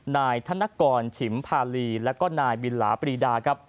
นายธนกรฉิมพาลีแล้วก็นายบิลลาปรีดาครับ